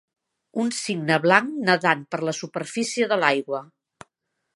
Un cigne blanc nedant per la superfície de l'aigua.